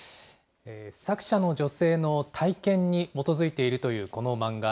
作者の女性の体験に基づいているというこの漫画。